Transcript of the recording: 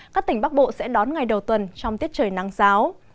các tỉnh bắc bộ sẽ đón ngày đầu tuần trong tiết trời nắng giáo